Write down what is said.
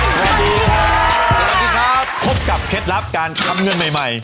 ขอบคุณครับพบกับเคล็ดลับการกำเงินใหม่ใหม่